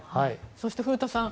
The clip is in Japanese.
そして古田さん